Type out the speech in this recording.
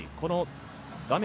画面